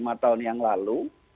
lima tahun yang lalu